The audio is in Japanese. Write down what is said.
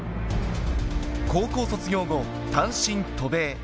高校卒業後、単身渡米。